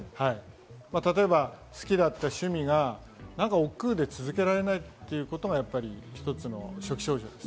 例えば、好きだった趣味がおっくうで続けられないということが一つの初期症状です。